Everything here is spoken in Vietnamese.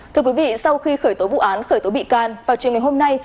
thưa quý vị sau khi khởi tố vụ án khởi tố bị can vào chiều ngày hôm nay